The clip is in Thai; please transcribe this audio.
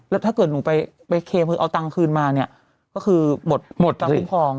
แล้วถ้าเกิดหนูไปเคคือเอาตังค์คืนมาเนี่ยก็คือหมดหมดตังคุ้มครอง